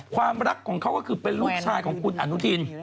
ความรักก็คือเป็นลูกชายของอร์นุทิน